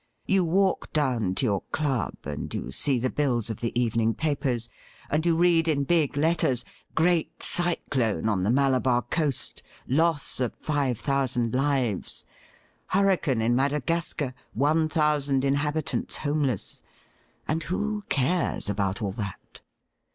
You walk down to your club, and you see the bills of the evening papers, and you read in big letters :" Great Cyclone on the Malabar Coast — Loss of Five Thousand Lives ";" Hurricane in Madagascar — One Thousand Inhabitants Homeless "— and who care» * THAT LADY IS NOT NOW LIVING' 159 about all that